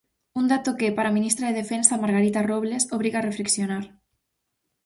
Un dato que, para a ministra de Defensa, Margarita Robles, obriga a reflexionar.